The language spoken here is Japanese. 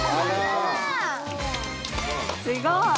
・すごい！